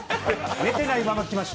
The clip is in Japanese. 寝てないまま来ました。